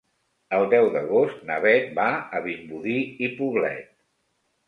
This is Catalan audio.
El deu d'agost na Beth va a Vimbodí i Poblet.